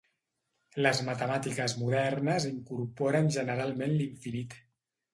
Les matemàtiques modernes incorporen generalment l'infinit.